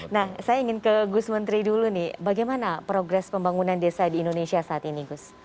nah saya ingin ke gus menteri dulu nih bagaimana progres pembangunan desa di indonesia saat ini gus